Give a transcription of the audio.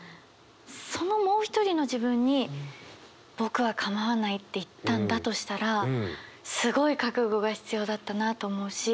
そのもう一人の自分に僕は「かまわない」って言ったんだとしたらすごい覚悟が必要だったなと思うし。